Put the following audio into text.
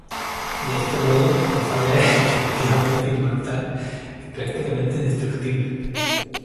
De este modo, Nefaria es, efectivamente, inmortal y prácticamente indestructible.